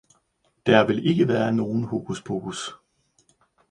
Der vil ikke være nogen hokuspokus.